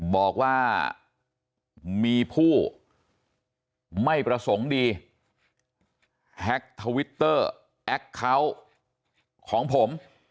บอกว่ามีผู้ไม่ประสงค์ดีแฮ็กทวิตเตอร์แอคเคาน์ของผม